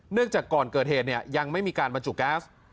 เนื่องจากก่อนเกิดเหตุเนี่ยยังไม่มีการบรรจุก๊าซ